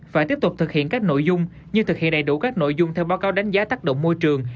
phải tiếp tục thực hiện các nội dung như thực hiện đầy đủ các nội dung theo báo cáo đánh giá tác động môi trường